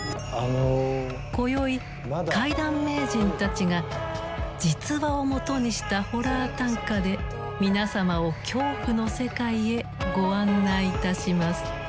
今宵怪談名人たちが実話をもとにしたホラー短歌で皆様を恐怖の世界へご案内いたします。